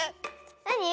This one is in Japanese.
なに？